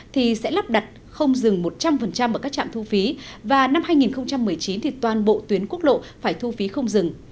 thì sẽ lắp đặt không dừng một trăm linh ở các trạm thu phí và năm hai nghìn một mươi chín thì toàn bộ tuyến quốc lộ phải thu phí không dừng